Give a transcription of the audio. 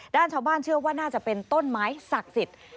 ชาวบ้านเชื่อว่าน่าจะเป็นต้นไม้ศักดิ์สิทธิ์